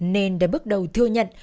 nên đã bước đầu thừa nhận